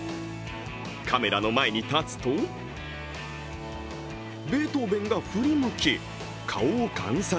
カメラの前に立つと、ベートーベンが振り向き、顔を観察。